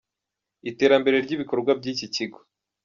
iterambere ry’ibikorwa by’iki kigo.